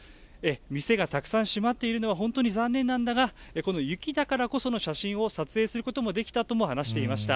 店がたくさん閉まっているのは本当に残念なんだが、この雪だからこその写真を撮影することもできたとも話していました。